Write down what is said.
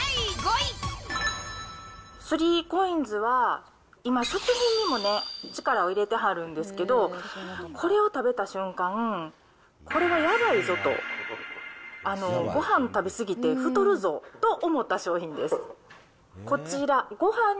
３コインズは、今、食品にもね、力を入れてはるんですけど、これを食べた瞬間、これはやばいぞと、ごはん食べ過ぎて太るぞと思った商品です。